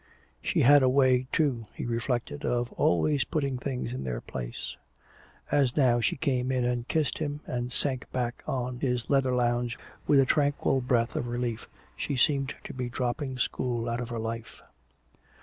She had a way, too, he reflected, of always putting things in their place. As now she came in and kissed him and sank back on his leather lounge with a tranquil breath of relief, she seemed to be dropping school out of her life.